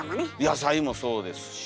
野菜もそうですし。